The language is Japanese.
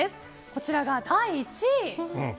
こちらが第１位。